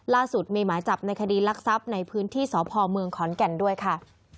ล่าสุดมีหมายจับในคดีลักทรัพย์ในพื้นที่สพเมืองขอนแก่นด้วยค่ะ